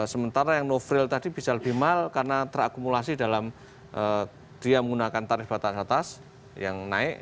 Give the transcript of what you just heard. sementara yang no fraille tadi bisa lebih mahal karena terakumulasi dalam dia menggunakan tarif batas atas yang naik